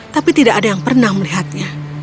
tapi tidak ada yang pernah melihatnya